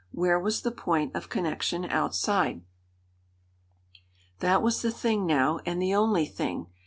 Where was the point of connection outside? That was the thing now, and the only thing.